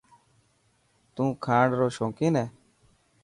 تون کاڻ رو شوڪين هي؟